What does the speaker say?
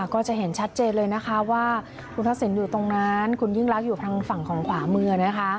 ก็จะเห็นชัดเจนเลยนะคะว่าคุณทักษิณอยู่ตรงนั้นคุณยิ่งรักอยู่ทางฝั่งของขวามือนะคะ